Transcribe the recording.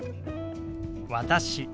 「私」。